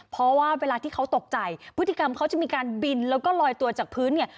เพราะว่าเวลาที่เขาตกใจพฤติกรรมเขาจะมีการบินแล้วก็ลอยตัวจากพื้นเนี่ย